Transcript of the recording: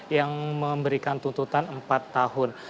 yang memberikan tuntutan empat tahun